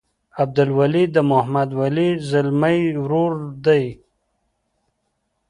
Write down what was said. عبدالولي د محمد ولي ځلمي ورور دی.